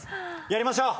やりましょう！